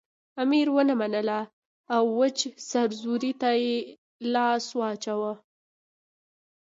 امیر ونه منله او وچ سرزوری ته لاس واچاوه.